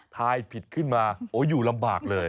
ถ่ายผิดขึ้นมาโอ้อยู่ลำบากเลย